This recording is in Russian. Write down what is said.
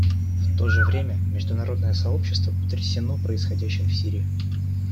В то же время международное сообщество потрясено происходящим в Сирии.